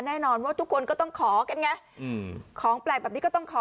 แน่นอนว่าทุกคนก็ต้องขอกันไงของแปลกแบบนี้ก็ต้องขอ